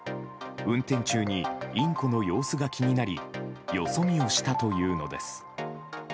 運転中にインコの様子が気になりよそ見をしたというのです。